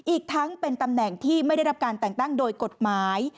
อีกทั้งเป็นตำแหน่งที่ไม่ได้รับการแต่งตั้งโดยกฎหมาย